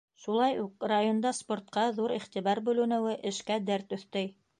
Шулай уҡ районда спортҡа ҙур иғтибар бүленеүе эшкә дәрт өҫтәй.